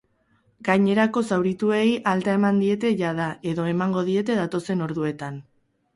Gainerako zaurituei alta eman diete jada edo emango diete datozen orduetan.